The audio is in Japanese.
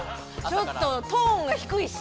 ちょっとトーンが低いし。